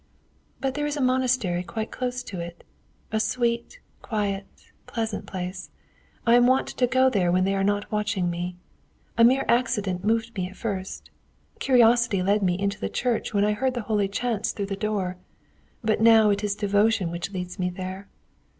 "But there is a monastery quite close to it, a sweet, quiet, pleasant place. I am wont to go there when they are not watching me. A mere accident moved me at first. Curiosity led me into the church when I heard the holy chants through the door; but now it is devotion which leads me there.